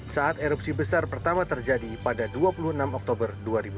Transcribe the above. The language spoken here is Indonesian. saat erupsi besar pertama terjadi pada dua puluh enam oktober dua ribu dua puluh